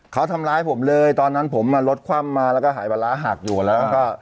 เขาทำร้ายผมเลยตอนนั้นผมรถคว่ำมาแล้วก็หายวาระหักอยู่แล้วก็